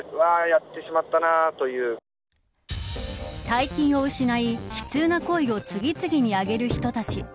大金を失い悲痛な声を次々にあげる人たち。